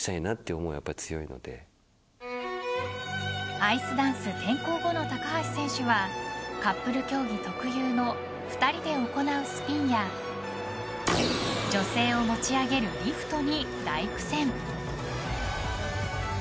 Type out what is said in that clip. アイスダンス転向後の高橋選手はカップル競技特有の２人で行うスピンや女性を持ち上げるリフトに大苦戦。